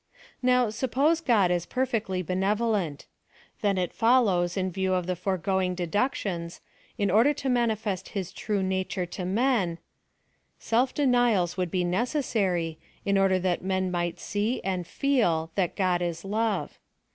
Now, suppose God is perfectly benevolent ; then, it follows in view of the foreo^oingf deductions, in order to manifest his true nature to men, self denials would be necessary, in order that men might see and feel that " God is love."